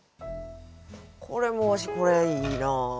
これもうわしこれいいな。